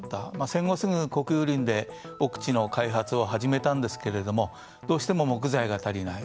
戦後、すぐ国有林で奥地の開発を始めたんですがどうしても木材が足りない。